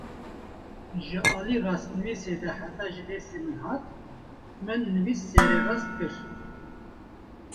Ji alî rastnivîsê de heta ji destê min hat, min nivîs sererast kir